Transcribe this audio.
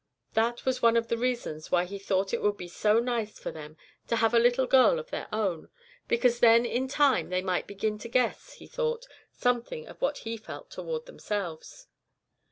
That was one of the reasons why He thought it would be so nice for them to have a little girl of their own, because then in time they might begin to guess, He thought, something of what He felt toward themselves.